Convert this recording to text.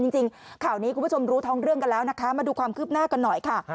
จริงข่าวนี้คุณผู้ชมรู้ท้องเรื่องกันแล้วนะคะมาดูความคืบหน้ากันหน่อยค่ะ